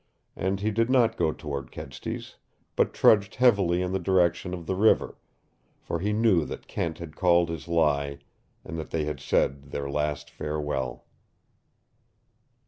And he did not go toward Kedsty's, but trudged heavily in the direction of the river, for he knew that Kent had called his lie, and that they had said their last farewell.